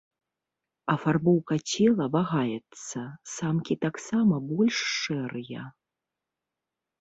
Афарбоўка цела вагаецца, самкі таксама больш шэрыя.